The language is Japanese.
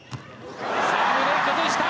サーブで崩した。